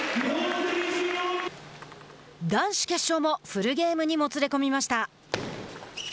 男子決勝もフルゲームにもつれ込みました。